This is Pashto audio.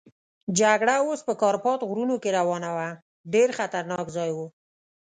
جګړه اوس په کارپات غرونو کې روانه وه، ډېر خطرناک ځای وو.